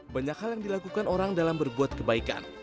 banyak hal yang dilakukan orang dalam berbuat kebaikan